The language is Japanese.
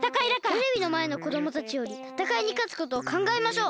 テレビのまえのこどもたちよりたたかいにかつことをかんがえましょう。